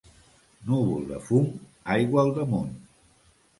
Núvol de fum, aigua al damunt.